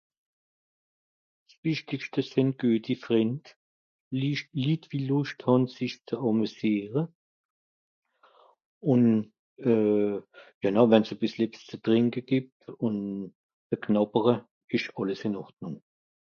s'wichtigschte sìnn gueti Frìnd, lisch... Litt wo Lùscht hàn sìch ze àmesìere, ùn ja na wenn's e bìssel ebbs ze trìnke gìbbt ùn e (...) ìsch àlles ìn Ordnùng.